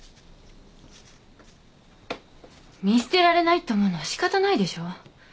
見捨てられないって思うのは仕方ないでしょ。